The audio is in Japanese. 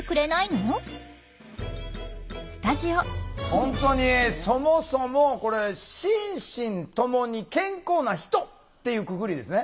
本当にそもそもこれ「心身ともに健康な人」っていうくくりですね